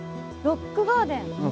ロックガーデン。